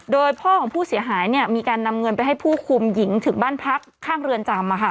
โดยพ่อของผู้เสียหายมีการนำเงินไปให้ผู้คุมหญิงถึงบ้านพักข้างเรือนจำ